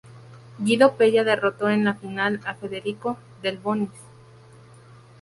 Guido Pella derroto en la final a Federico Delbonis.